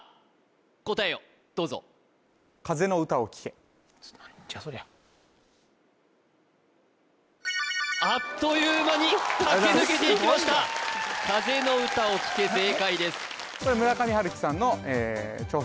答えをどうぞ何じゃそりゃあっという間に駆け抜けていきました「風の歌を聴け」正解です「風の歌を聴け」